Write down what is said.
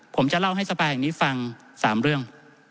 ผมจะเล่าให้สภาแห่งนี้ฟัง๓เรื่อง